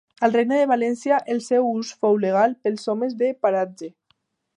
Al Regne de València el seu ús fou legal pels Homes de Paratge.